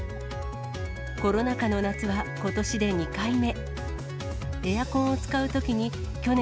コロナ禍の夏はことしで２回目。